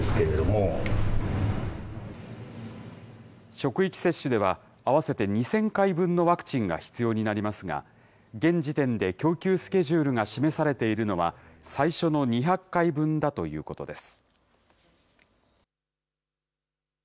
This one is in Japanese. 職域接種では、合わせて２０００回分のワクチンが必要になりますが、現時点で供給スケジュールが示されているのは、最初の２００回分だということです。